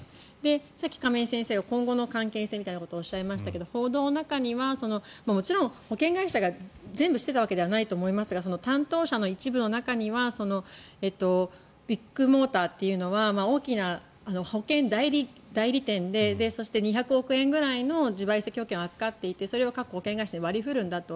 さっき、亀井先生が今後の関係性みたいなことをおっしゃいましたけど報道の中にはもちろん保険会社が全部していたわけではないと思いますが担当者の一部の中にはビッグモーターというのは大きな保険代理店でそして２００億円ぐらいの自賠責保険を扱っていてそれを各保険会社に割り振るんだと。